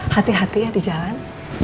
hati hati ya di jalan